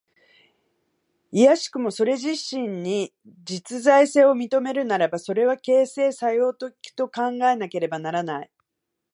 いやしくもそれ自身に実在性を認めるならば、それは形成作用的と考えられねばならない。